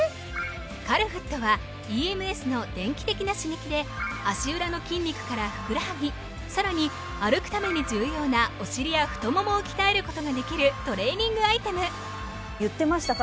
カルフットはＥＭＳの電気的な刺激で足裏の筋肉からふくらはぎ更に歩くために重要なお尻や太ももを鍛えることができるトレーニングアイテム言ってました